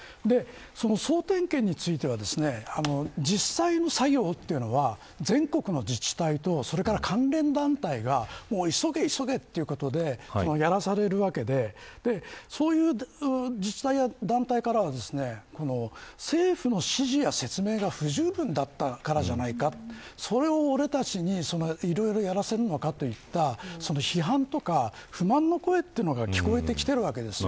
総点検については実際の作業というのは全国の自治体と関連団体が急げ急げということでやらされるわけでそういう自治体や団体からは政府の指示や説明が不十分だったからじゃないかそれを俺たちにいろいろやらせるのかといった批判とか不満の声というのが聞こえてきてるわけです。